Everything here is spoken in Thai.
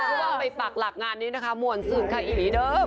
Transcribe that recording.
ก็เอากลับไปปักหลักงานของมวลซื่นกันอย่างงี้เดิม